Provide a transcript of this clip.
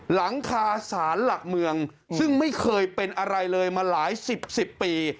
หลังคาสารหลักเมืองซึ่งไม่เคยเป็นอะไรเลยมาหลายสิบสิบปี